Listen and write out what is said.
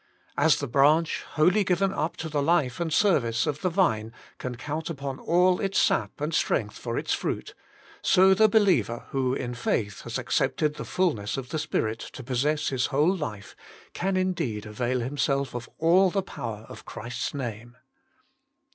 As the branch wholly given up to the life and service of the Vine can count upon all its sap and strength for its fruit, so the believer, who in faith has accepted the fulness of the Spirit to possess his whole life, can indeed avail himself of all the power of Christ s Name.